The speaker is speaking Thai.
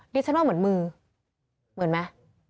ดิฉันว่าเหมือนมือเหมือนไหม